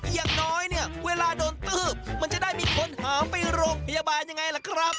อย่างน้อยเนี่ยเวลาโดนตืบมันจะได้มีคนหาไปโรงพยาบาลยังไงล่ะครับ